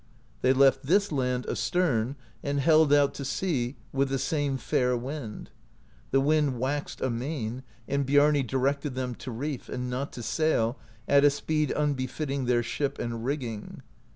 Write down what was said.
They left this land astern, and held out to sea with the same fair wind. The wind waxed amain, and Biarni directed them to reef and not to sail at a speed unbefitting their ship and rigging.